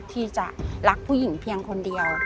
ที่จะรักผู้หญิงเพียงคนเดียว